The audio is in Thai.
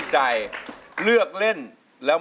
ใช้ค่ะ